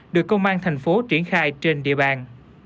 được công an thành phố triển khai trên địa bàn